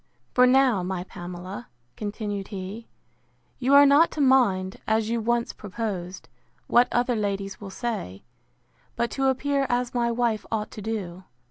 For now, my Pamela, continued he, you are not to mind, as you once proposed, what other ladies will say; but to appear as my wife ought to do.